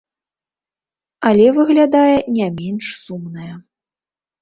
Але, выглядае, не менш сумная.